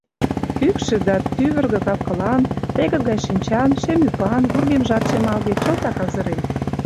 Кӱкшӧ да тӱвыргӧ кап-кылан, тегыт гай шинчан, шем ӱпан, вургемжат шемалге — чылтак азырен.